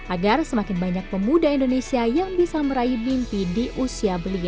agar semakin banyak pemuda indonesia yang bisa meraih mimpi di usia belia